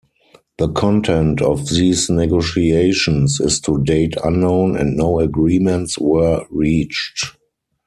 The content of these negotiations is to date unknown, and no agreements were reached.